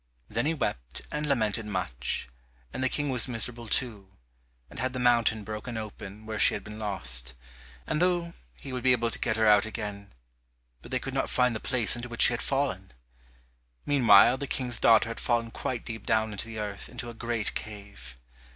Then he wept and lamented much, and the King was miserable too, and had the mountain broken open where she had been lost, and though the would be able to get her out again, but they could not find the place into which she had fallen. Meanwhile the King's daughter had fallen quite deep down into the earth into a great cave.